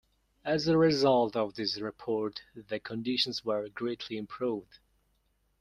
As a result of this report the conditions were greatly improved.